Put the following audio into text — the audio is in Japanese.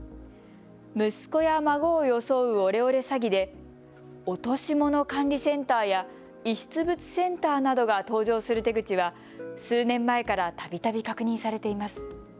息子や孫を装うオレオレ詐欺で落とし物管理センターや遺失物センターなどが登場する手口は、数年前からたびたび確認されています。